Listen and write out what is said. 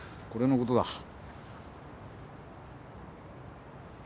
これのことだ。